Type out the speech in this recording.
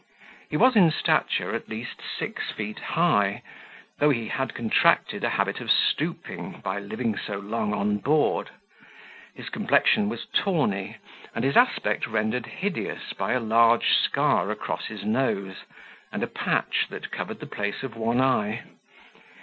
He was in stature at least six feet high, though he had contracted a habit of stooping, by living so long on board; his complexion was tawny, and his aspect rendered hideous by a large scar across his nose, and a patch that covered the place of one eye.